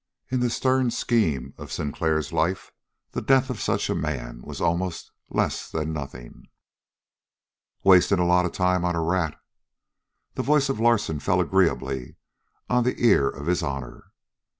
In the stern scheme of Sinclair's life, the death of such a man was almost less than nothing. "Wasting a lot of time on a rat!" The voice of Larsen fell agreeably upon the ear of his honor.